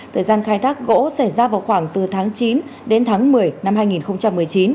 thời gian khai thác gỗ xảy ra vào khoảng từ tháng chín đến tháng một mươi năm hai nghìn một mươi chín